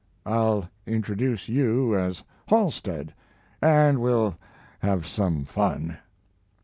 I'll introduce you as Halstead, and we'll have some fun."